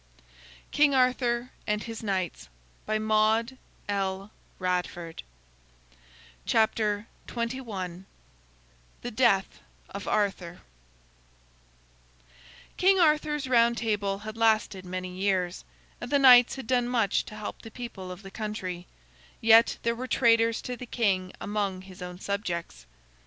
[Illustration: The Knight with the Sword] THE DEATH OF ARTHUR King Arthur's Round Table had lasted many years, and the knights had done much to help the people of the country; yet there were traitors to the king among his own subjects.